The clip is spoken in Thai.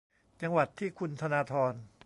จังหวัดที่คุณธนาธร